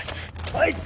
はい！